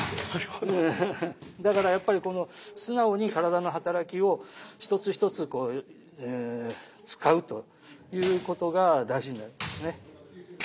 だからやっぱりこの素直に体の働きを一つ一つ使うということが大事になるんですね。